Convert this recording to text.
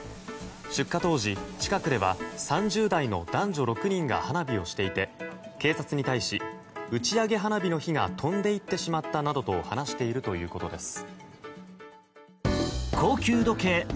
出火当時近くでは３０代の男女６人が花火をしていて警察に対し打ち上げ花火の火が飛んでいってしまったなどと話しているということです。